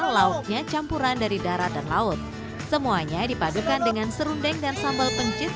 lauknya campuran dari darat dan laut semuanya dipadukan dengan serundeng dan sambal pencis